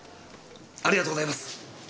ありがとうございます。